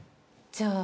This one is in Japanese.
じゃあ。